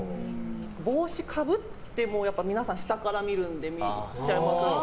帽子かぶっても皆さん、下から見るので見えちゃいますし